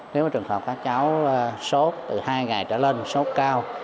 nếu trường hợp các cháu số từ hai ngày trở lên số cao